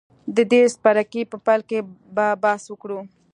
د دې څپرکي په پیل کې به بحث وکړو.